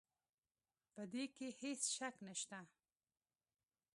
په دې کې هيڅ شک نشته